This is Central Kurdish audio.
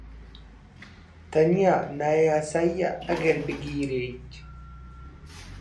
تەنیا نایاساییە ئەگەر بگیرێیت.